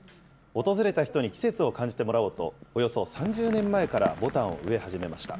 訪れた人に季節を感じてもらおうと、およそ３０年前からぼたんを植え始めました。